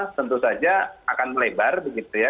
tentu saja akan melebar begitu ya